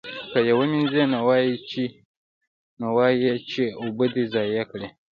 که یې ومینځي نو وایي یې چې اوبه دې ضایع کړې.